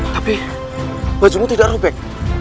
tapi bajumu tidak robek